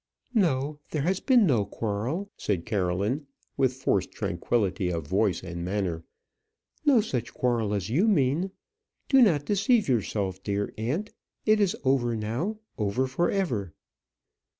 "No, there has been no quarrel," said Caroline, with forced tranquillity of voice and manner. "No such quarrel as you mean. Do not deceive yourself, dear aunt; it is over now, over for ever."